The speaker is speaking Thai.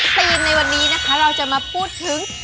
ทีมในวันนี้นะคะเราจะมาพูดถึง